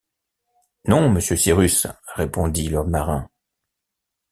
Non, monsieur Cyrus, répondit le marin.